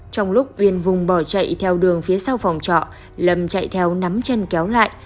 trong lúc viên vùng bỏ chạy theo đường phía sau phòng trọ lâm chạy theo nắm chân kéo lại